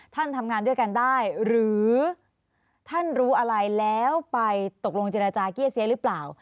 ทำงานด้วยกันได้หรือท่านรู้อะไรแล้วไปตกลงเจรจาเกี้ยเสียหรือเปล่า